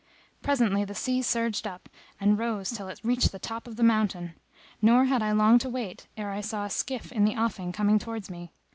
Presently the sea surged up and rose till it reached the top of the mountain; nor had I long to wait ere I saw a skiff in the offing coming towards me.